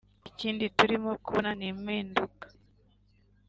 Ikindi turimo kubona ni impinduka